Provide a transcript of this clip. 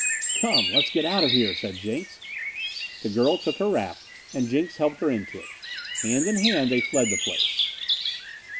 "Come, let's get out of here," said Jenks. The girl took her wrap and Jenks helped her into it. Hand in hand they fled the place.